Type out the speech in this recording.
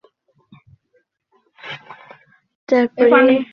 ফলে তারা ঘরের মধ্যে উপুড় হয়ে পড়ে রইল, যারা শুআয়বকে মিথ্যাবাদী প্রতিপন্ন করেছিল।